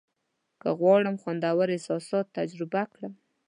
که غواړم خوندور احساسات تجربه کړم.